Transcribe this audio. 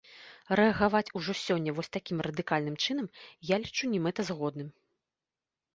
Рэагаваць ужо сёння вось такім радыкальным чынам я лічу немэтазгодным.